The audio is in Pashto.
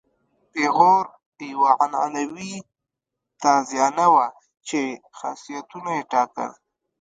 پیغور یوه عنعنوي تازیانه وه چې خاصیتونه یې ټاکل.